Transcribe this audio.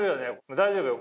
大丈夫よ。